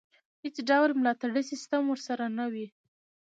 هېڅ ډول ملاتړی سیستم ورسره نه وي.